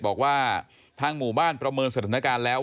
ทางนิติกรหมู่บ้านแจ้งกับสำนักงานเขตประเวท